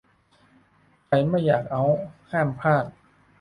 ใครไม่อยากเอาต์ห้ามพลาด